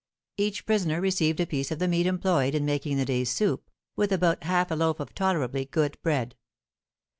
Each prisoner received a piece of the meat employed in making the day's soup, with about half a loaf of tolerably good bread.